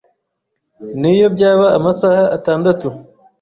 niyo byaba amasaha atandatu